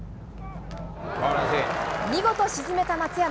見事沈めた松山。